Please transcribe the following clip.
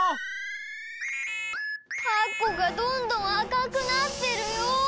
タコがどんどんあかくなってるよ！